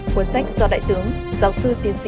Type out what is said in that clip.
cuốn sách do đại tướng giáo sư tiến dân